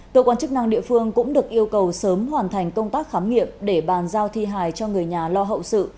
cơ quan chức năng địa phương cũng được yêu cầu sớm hoàn thành công tác khám nghiệm để bàn giao thi hài cho người nhà lo hậu sự